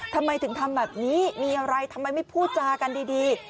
ทำไมถึงทำแบบนี้มีอะไรทำไมไม่พูดจากันดี